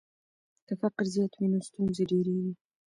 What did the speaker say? که فقر زیات وي نو ستونزې ډېریږي.